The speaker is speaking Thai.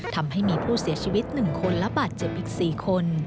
ทำให้มีผู้เสียชีวิต๑คนและบาดเจ็บอีก๔คน